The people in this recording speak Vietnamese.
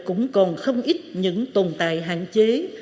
cũng còn không ít những tồn tại hạn chế